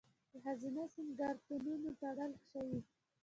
د ښځینه سینګارتونونه تړل شوي؟